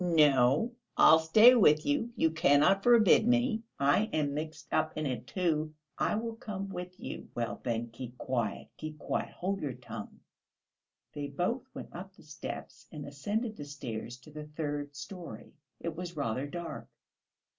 "No, I'll stay with you; you cannot forbid me; I am mixed up in it, too; I will come with you...." "Well, then, keep quiet, keep quiet, hold your tongue...." They both went up the steps and ascended the stairs to the third storey. It was rather dark.